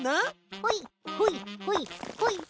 ほいほいほいほいほい。